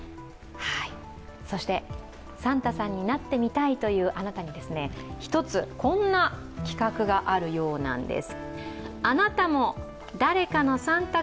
そしてサンタさんになってみたいというあなたに１つこんな企画があるようです。